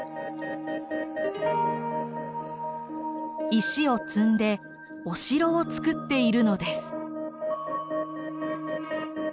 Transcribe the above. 石を積んでお城を作っているのです。